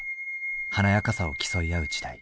華やかさを競い合う時代。